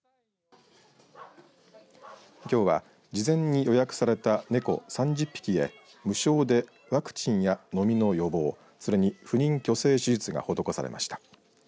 きょうは事前に予約された猫３０匹へ無償でワクチンやノミの予防、それに不妊去勢手術が施されました。